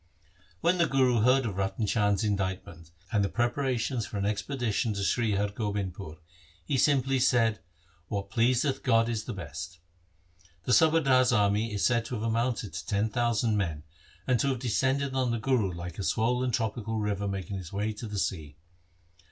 When the Guru heard of Ratan Chand's indict ment and the preparations for an expedition to Sri Har Gobindpur, he simply said, ' What pleaseth God is the best.' The subadar's army is said to have amounted to ten thousand men, and to have descended on the Guru like a swollen tropical river making its way to the sea.